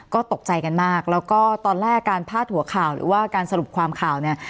ก็ตกใจกันมากแล้วก็ตอนแรกการพาดหัวข่าวหรือว่าการสรุปความข่าวเนี่ย